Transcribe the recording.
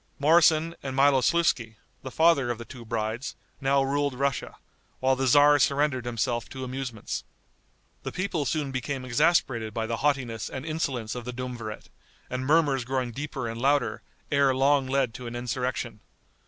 Moroson and Miloslouski, the father of the two brides, now ruled Russia, while the tzar surrendered himself to amusements. The people soon became exasperated by the haughtiness and insolence of the duumvirate, and murmurs growing deeper and louder, ere long led to an insurrection.